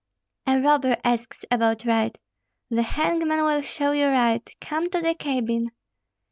"A robber asks about right! The hangman will show you right! Come to the cabin."